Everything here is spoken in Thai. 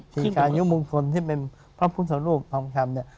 มีการยุมงคลที่เป็นพระพุทธรูปทองคำเนี่ย